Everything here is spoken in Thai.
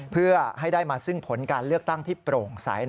เพื่อให้ได้มาซึ่งผลการเลือกตั้งที่โปร่งใส